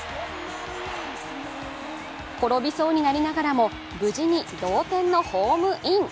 転びそうになりながらも無事に同点のホームイン。